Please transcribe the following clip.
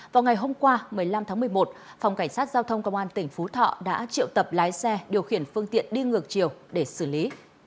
vào ngày hôm qua một mươi năm tháng một mươi một phòng cảnh sát giao thông công an tỉnh phú thọ đã triệu tập lái xe điều khiển phương tiện đi ngược chiều để xử lý